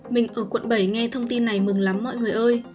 mình ở quận bảy nghe thông tin này mừng lắm mọi người ơi